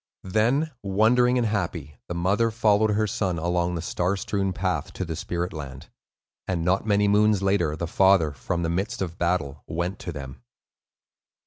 Then, wondering and happy, the mother followed her son along the star strewn path to the spirit land; and not many moons later, the father, from the midst of battle, went to them.